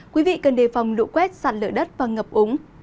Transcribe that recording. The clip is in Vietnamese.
quý vị cần đề phòng lũ quét sạt lửa đất và ngập ống